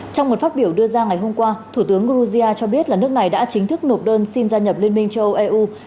trong một phát biểu đưa ra ngày hôm qua thủ tướng georgia cho biết là nước này đã chính thức nộp đơn xin gia nhập liên minh châu âu eu